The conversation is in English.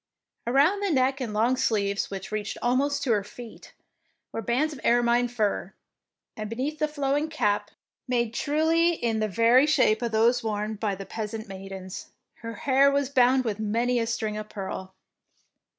Around the neck and long sleeves, 70 THE PRINCESS WINS which reached almost to her feet, were bands of ermine fur, and beneath the flowing cap, made truly in the very shape of those worn by the peasant maidens, her hair was bound with many a string of pearl.